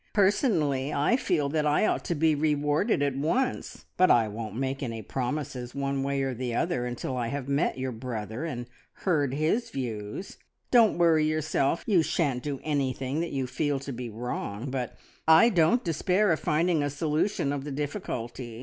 "Personally I feel that I ought to be rewarded at once, but I won't make any promises one way or another until I have met your brother and heard his views. Don't worry yourself, you shan't do anything that you feel to be wrong, but I don't despair of finding a solution of the difficulty.